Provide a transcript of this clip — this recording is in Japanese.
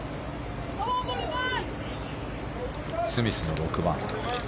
スミスの６番。